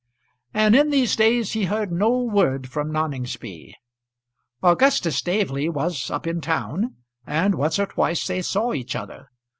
And in these days he heard no word from Noningsby. Augustus Staveley was up in town, and once or twice they saw each other.